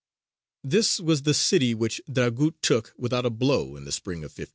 _)] This was the city which Dragut took without a blow in the spring of 1550.